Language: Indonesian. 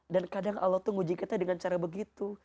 dan kadang allah tuh nguji kita dengan cara begitu